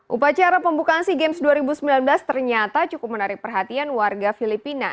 upacara pembukaan sea games dua ribu sembilan belas ternyata cukup menarik perhatian warga filipina